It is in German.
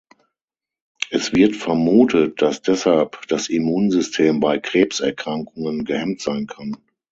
Es wird vermutet, dass deshalb das Immunsystem bei Krebserkrankungen gehemmt sein kann.